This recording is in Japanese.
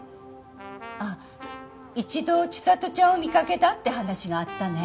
あっ一度千里ちゃんを見かけたって話があったね。